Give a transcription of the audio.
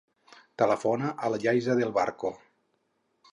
Telefona a la Yaiza Del Barco.